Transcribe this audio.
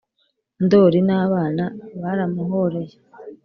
ndoli n’abana baramuhoreye.